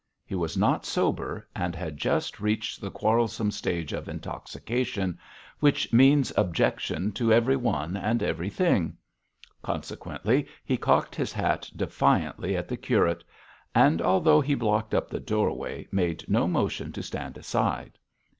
He was not sober, and had just reached the quarrelsome stage of intoxication, which means objection to everyone and everything. Consequently he cocked his hat defiantly at the curate; and although he blocked up the doorway, made no motion to stand aside.